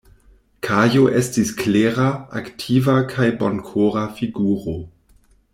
Kajo estis klera, aktiva kaj bonkora figuro.